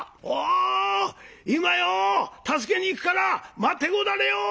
今よ助けに行くから待ってござれよ！」。